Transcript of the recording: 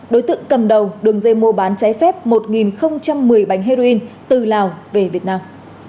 đối tượng cầm đầu đường dây mua bán trái phép một một mươi bánh heroin từ lào về việt nam